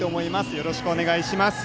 よろしくお願いします。